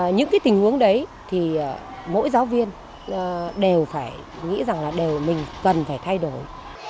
những cái tình huống đấy thì mỗi giáo viên đều phải nghĩ rằng là đều mình cần phải thay đổi